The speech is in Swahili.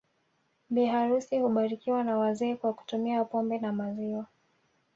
Bi harusi hubarikiwa na wazee kwa kutumia pombe na maziwa